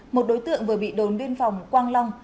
một đối tượng vừa bị đồn biên phòng quang long